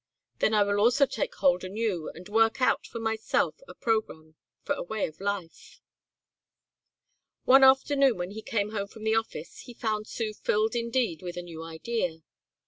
Then I also will take hold anew and work out for myself a programme for a way of life." One afternoon when he came home from the office he found Sue filled indeed with a new idea.